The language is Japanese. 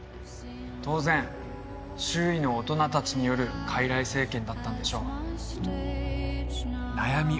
当然周囲の大人達による傀儡政権だったんでしょう悩み